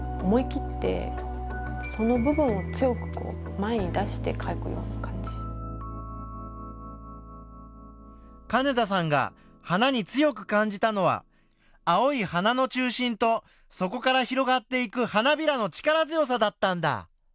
金田さんは自分の感じた事を絵に表すには金田さんが花に強く感じたのは青い花の中心とそこから広がっていく花びらの力強さだったんだ。